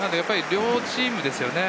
両チームですよね。